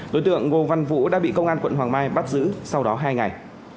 đối tượng ngô văn vũ đã bị công an quận hoàng mai bắt giữ sau đó hai ngày